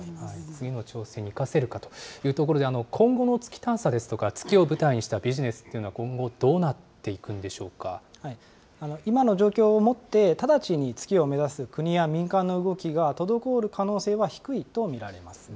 次の挑戦に生かせるかというところで、今後の月探査ですとか、月を舞台にしたビジネスっていうのは、今後、どうなっていくんで今の状況をもって、直ちに月を目指す国や民間の動きが滞る可能性は低いと見られます。